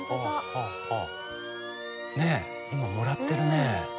ねえ今もらってるね。